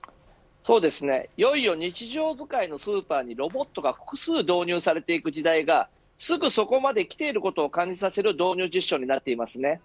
いよいよ日常使いのスーパーにロボットが複数導入されていく時代がすぐそこまできていることを感じさせる導入実証になっていますね。